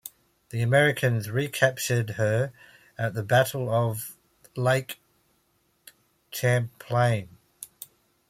The Americans recaptured her at the Battle of Lake Champlain.